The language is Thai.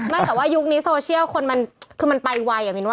ไม่แต่ว่ายุคนี้โซเชียลคือมันไปไว